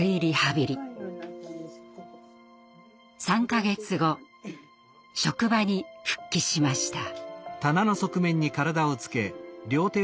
３か月後職場に復帰しました。